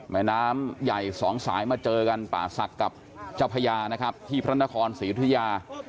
แม่น้ำใหญ่สองสายมาเจอกันป่าศักดิ์กับเจ้าพญานะครับที่พระนครศรียุธยา